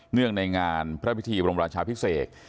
เนื่องในงานพระพิธีบรมราชาภิกษกร